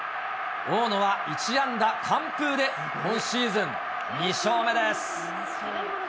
大野は１安打完封で、今シーズン２勝目です。